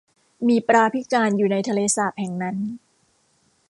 มีปลาพิการอยู่ในทะเลสาปแห่งนั้น